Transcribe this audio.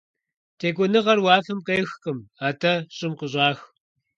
Текӏуэныгъэр уафэм къехкъым, атӏэ щӏым къыщӏах.